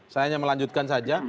saya hanya melanjutkan saja